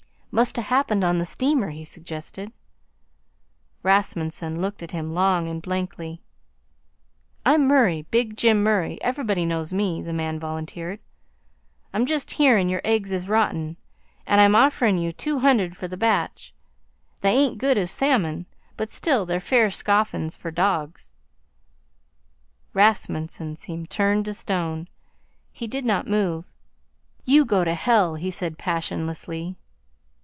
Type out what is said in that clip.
"Must a happened on the steamer," he suggested. Rasmunsen looked at him long and blankly. "I'm Murray, Big Jim Murray, everybody knows me," the man volunteered. "I'm just hearin' your eggs is rotten, and I'm offerin' you two hundred for the batch. They ain't good as salmon, but still they're fair scoffin's for dogs." Rasmunsen seemed turned to stone. He did not move. "You go to hell," he said passionlessly.